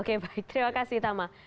oke baik terima kasih tama